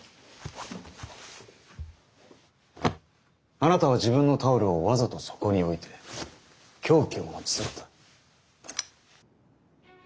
あなたは自分のタオルをわざとそこに置いて凶器を持ち去った。